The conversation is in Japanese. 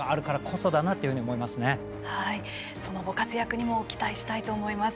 そのご活躍にも期待したいと思います。